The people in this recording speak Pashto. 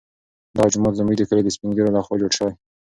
دغه جومات زموږ د کلي د سپین ږیرو لخوا جوړ شوی.